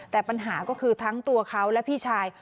แต่ปัญหาก็คือทั้งตัวเขาและพี่ชาย